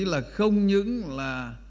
là không những là